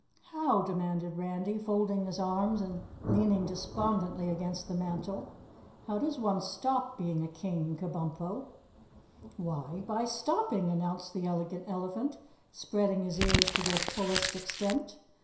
"How?" demanded Randy, folding his arms and leaning despondently against the mantel. "How does one stop being a King, Kabumpo?" "Why, by stopping," announced the Elegant Elephant, spreading his ears to their fullest extent.